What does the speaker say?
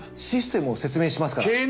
システムを説明しますから。